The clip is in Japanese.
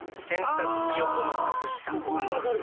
すごい分かる！